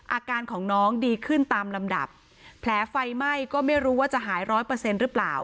อาการของน้องดีขึ้นตามลำดับแผลไฟไหม้ก็ไม่รู้ว่าจะหายร้อยเปอร์เซ็นต์หรือเปล่า